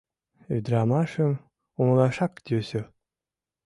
Ӱдырамашым умылашак йӧсӧ...